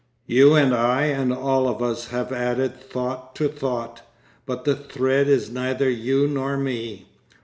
You and I and all of us have added thought to thought, but the thread is neither you nor me.